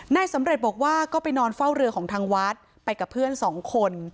นายสำเร็จบอกว่าก็ไปนอนเฝ้าเรือของทางวัดไปกับเพื่อนสองคน